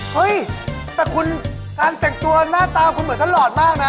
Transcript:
เฮ้ยแต่คุณการแต่งตัวหน้าตาคุณเหมือนตลอดมากนะ